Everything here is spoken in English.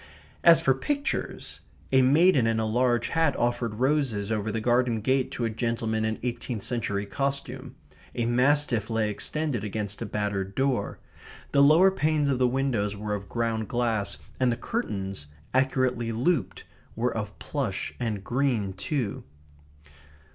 As for pictures a maiden in a large hat offered roses over the garden gate to a gentleman in eighteenth century costume. A mastiff lay extended against a battered door. The lower panes of the windows were of ground glass, and the curtains, accurately looped, were of plush and green too.